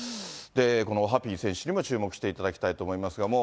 このオハピー選手にも注目していただきたいと思いますけれども。